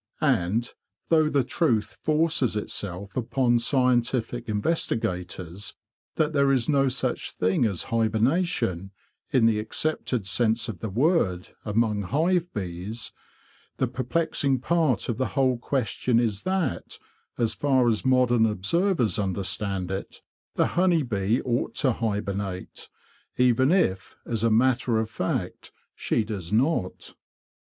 And, though the truth forces itself upon scientific investigators that there is no such thing as hibernation, in the accepted sense of the word, among hive bees, the perplexing part of the whole question is that, as far as modern observers understand it, the honey bee ought to hibernate, even if, as a matter of fact, she does not.